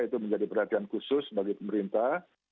itu menjadi perhatian khusus bagi pemerintah